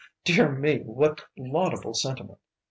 "Dear me what laudable sentiment.